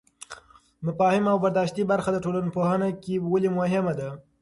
مفاهیمي او برداشتي برخه د ټولنپوهنه کې ولې مهمه ده؟